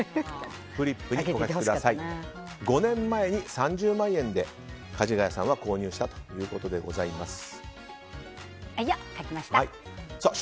５年前に３０万円でかじがやさんは購入したということでございます。